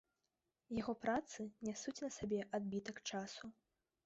Яго працы нясуць на сабе адбітак часу.